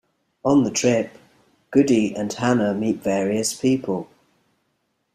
On the trip, Goody and Hannah meet various people.